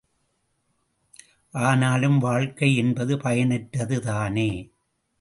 ஆனாலும் வாழ்க்கை என்பது பயனற்றது தானே?